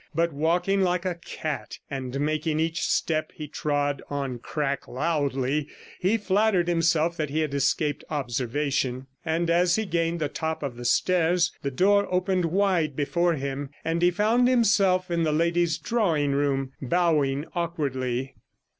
But, walking like a cat, and making each step he trod on crack loudly, he flattered himself that he had escaped observation; and as he gained the top of the stairs the door opened wide before him, and he found himself in the lady's drawing room, bowing awkwardly.